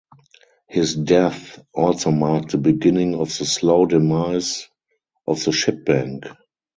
His death also marked the beginning of the slow demise of the Ship Bank.